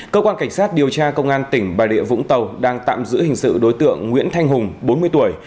cơ quan cảnh sát điều tra công an tỉnh bà rịa vũng tàu đang tạm giữ hình sự đối tượng nguyễn thanh hùng bốn mươi tuổi